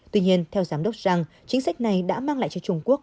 tuy nhiên theo giám đốc rằng chính sách này đã mang lại cho trung quốc